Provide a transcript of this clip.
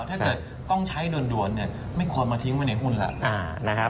ถ้าเกิดต้องใช้ด่วนไม่ควรมาทิ้งไว้ในหุ้นล่ะ